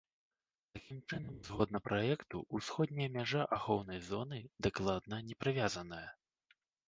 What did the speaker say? Такім чынам, згодна праекту ўсходняя мяжа ахоўнай зоны дакладна не прывязаная.